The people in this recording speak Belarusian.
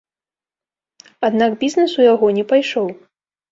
Аднак бізнес у яго не пайшоў.